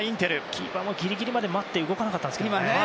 キーパーもギリギリまで待って動かなかったんですけどね。